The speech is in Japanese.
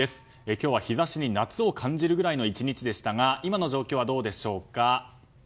今日は陽ざしに夏を感じるぐらいの１日でしたが今の状況はどうでしょうか？